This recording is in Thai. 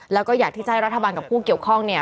แล้วก็อยากที่จะให้รัฐบาลกับผู้เกี่ยวข้องเนี่ย